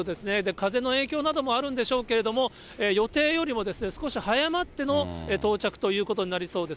風の影響などもあるんでしょうけれども、予定よりも少し早まっての到着ということになりそうです。